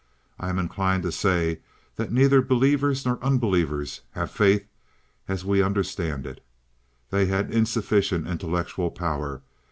I am inclined to say that neither believers nor unbelievers had faith as we understand it—they had insufficient intellectual power.